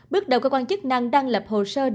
bước đầu cơ quan chức năng đang lập hồ sơ